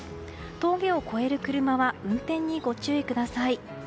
峠を越える車は運転にご注意ください。